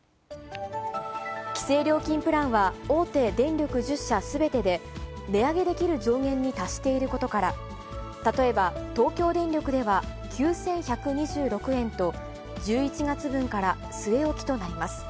規制料金プランは、大手電力１０社すべてで、値上げできる上限に達していることから、例えば東京電力では、９１２６円と、１１月分から据え置きとなります。